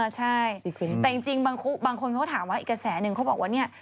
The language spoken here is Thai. ใช่แต่จริงบางคนเขาก็ถามว่าอีกกระแสหนึ่งเขาบอกว่าเนี่ย